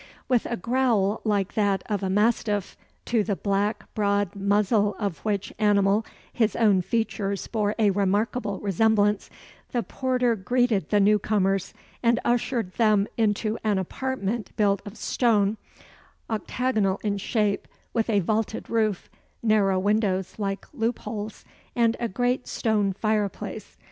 With a growl like that of a mastiff, to the black broad muzzle of which animal his own features bore a remarkable resemblance, the porter greeted the new comers, and ushered them into an apartment built of stone, octagonal in shape, with a vaulted roof, narrow windows like loopholes, and a great stone fireplace.